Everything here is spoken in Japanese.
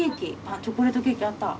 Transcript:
チョコレートケーキあった。